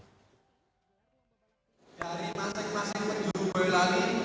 dari masing masing penjuru boyolali